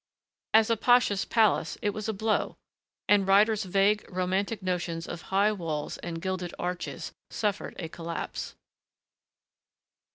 As a pasha's palace it was a blow, and Ryder's vague, romantic notions of high halls and gilded arches, suffered a collapse.